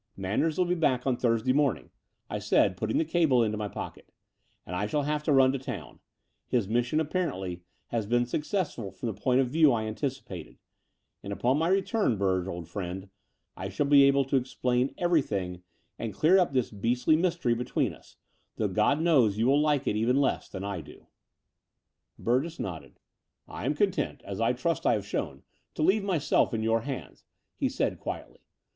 "Manders will be back on Thursday morning," I said, putting the cable into my pocket: "and I shall have to run to town. His mission, ap parently, has been successful from the point of view I anticipated; and upon my return, Burge, old friend, I shall be able to explain everything and clear up this beastly mystery between us, though God knows you will like it even less than I do." Between London and Clymping 177 Burgess nodded. ''I am content, as I trust I have shown, to leave myself in your hands/' he said quietly.